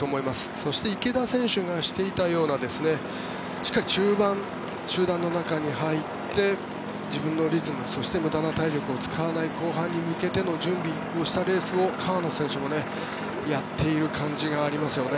そして池田選手がしていたようなしっかり中盤、集団の中に入って自分のリズムそして無駄な体力を使わない後半に向けての準備をしたレースを川野選手もやっている感じがありますよね。